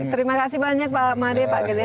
terima kasih banyak pak made pak gede